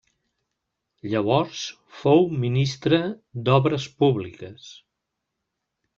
Llavors fou ministre d'Obres Públiques.